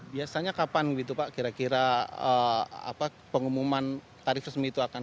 biasanya kapan gitu pak kira kira pengumuman tarif resmi itu akan